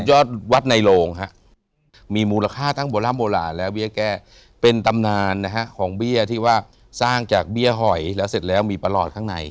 ยอดวัดในโลงฮะมีมูลค่าทั้งโบราโบราณและเบี้ยแก้เป็นตำนานนะฮะของเบี้ยที่ว่าสร้างจากเบี้ยหอยแล้วเสร็จแล้วมีประหลอดข้างใน